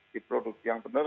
di produk yang benar